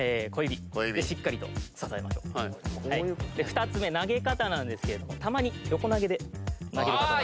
２つ目投げ方なんですけれどもたまに横投げで投げる方も。